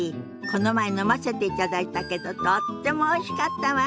この前飲ませていただいたけどとってもおいしかったわ。